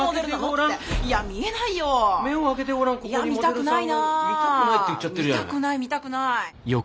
見たくない見たくない。